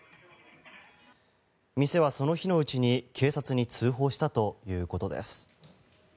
店はその日のうちに警察に通報したということです。